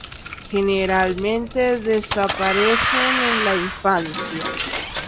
Generalmente desaparecen en la infancia.